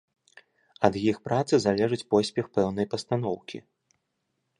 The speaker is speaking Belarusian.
Ад іх працы залежыць поспех пэўнай пастаноўкі.